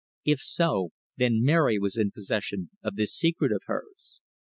If so, then Mary was in possession of this secret of hers.